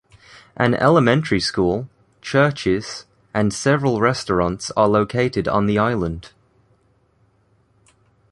An elementary school, churches, and several restaurants are located on the island.